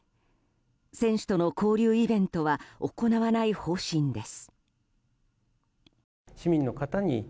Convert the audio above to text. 選手との交流イベントは行わない方針です。